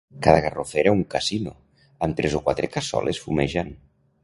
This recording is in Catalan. Cada garrofer era un casino, amb tres o quatre cassoles fumejant